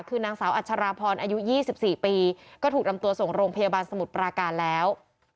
คือนางสาวอัชราพรอายุ๒๔ปีก็ถูกนำตัวส่งโรงพยาบาลสมุทรปราการแล้ว